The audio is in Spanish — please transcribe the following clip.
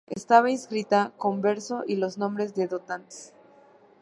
Estaba inscrita con verso y los nombres de donantes.